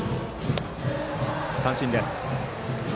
三振です。